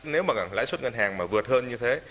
nếu mà lãi suất ngân hàng mà vượt hơn như thế